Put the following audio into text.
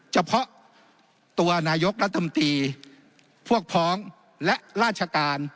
เฉพาะตัวนายกรัฐมนตรีพวกพ้องและราชการ